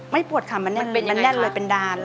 ปวดค่ะมันแน่นเลยเป็นดาน